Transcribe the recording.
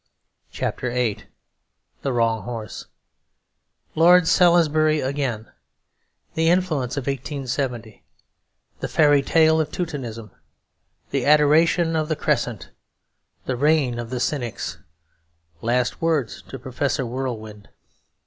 CHAPTER VIII THE WRONG HORSE Lord Salisbury Again The Influence of 1870 The Fairy Tale of Teutonism The Adoration of the Crescent The Reign of the Cynics Last Words to Professor Whirlwind.